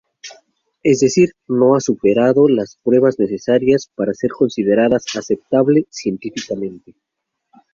Es decir, no ha superado las pruebas necesarias para ser considerada aceptable científicamente.